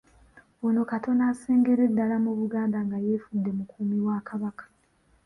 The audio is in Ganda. Ono katono asengere ddala mu Buganda nga yeefudde mukuumi wa Kabaka.